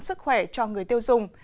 sức khỏe cho người tiêu dùng